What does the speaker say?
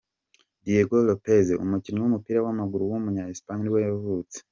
Diego López, umukinnyi w’umupira w’amaguru w’umunya-Espagne nibwo yavutse.